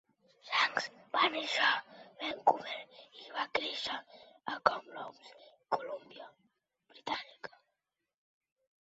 Shanks va néixer a Vancouver i va créixer a Kamloops (Colúmbia Britànica).